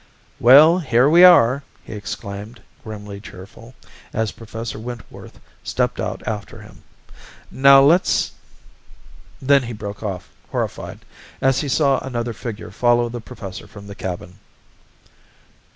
"Well, here we are!" he exclaimed, grimly cheerful, as Professor Wentworth stepped out after him. "Now let's " Then he broke off, horrified, as he saw another figure follow the professor from the cabin.